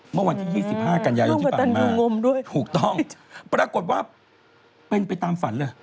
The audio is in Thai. เมื่อวันที่๒๕กันยายนที่ผ่านมาถูกต้องปรากฏว่าเป็นไปตามฝันเลย